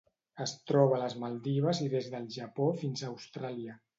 Es troba a les Maldives i des del Japó fins a Austràlia.